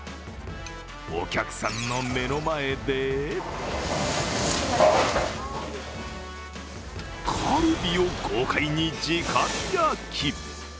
お客さんの目の前でカルビを豪快に直火焼き。